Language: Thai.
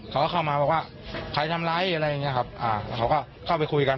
เขาก็เข้ามาบอกว่าใครทำร้ายอะไรอย่างเงี้ครับอ่าแล้วเขาก็เข้าไปคุยกัน